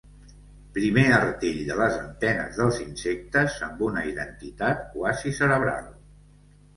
Primer artell de les antenes dels insectes, amb una identitat quasi cerebral.